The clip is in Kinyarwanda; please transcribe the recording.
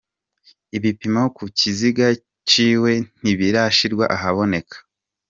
Ibipimo ku kiziga ciwe ntibirashirwa ahabona.